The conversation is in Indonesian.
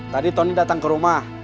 tadi tony datang ke rumah